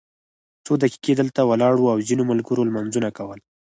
څو دقیقې دلته ولاړ وو او ځینو ملګرو لمونځونه کول.